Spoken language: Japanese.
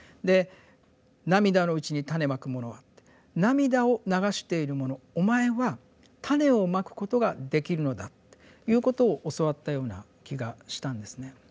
で「涙のうちに種蒔く者は」って涙を流している者お前は種を蒔くことができるのだということを教わったような気がしたんですね。